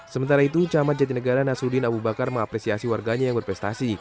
sementara itu camat jatinegara nasruddin abu bakar mengapresiasi warganya yang berprestasi